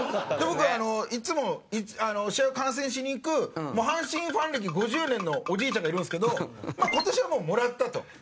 僕いつも試合を観戦しに行く阪神ファン歴５０年のおじいちゃんがいるんですけど「今年はもうもらった」と。